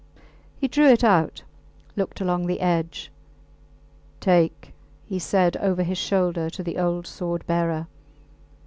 He drew it out, looked along the edge. Take, he said over his shoulder to the old sword bearer.